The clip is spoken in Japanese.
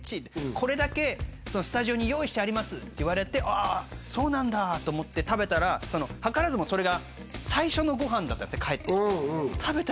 これだけスタジオに用意してありますって言われてそうなんだと思って食べたら図らずもそれが最初のご飯だったんですね